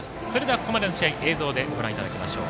ここまでの試合映像でご覧いただきましょう。